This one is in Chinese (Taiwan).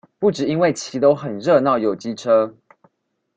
不只因為騎樓很熱鬧有機車